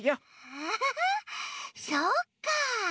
アハハそっか！